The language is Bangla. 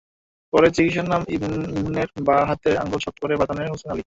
পরে চিকিৎসার নামে ইমনের বাঁ হাতের আঙুল শক্ত করে বাঁধেন হোসেন আলী।